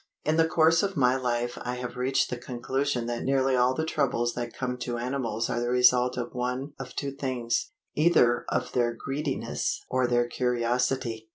In the course of my life I have reached the conclusion that nearly all the troubles that come to animals are the result of one of two things either of their greediness or their curiosity.